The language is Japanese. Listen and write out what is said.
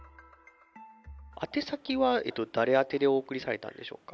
宛先は誰宛てでお送りされたんでしょうか？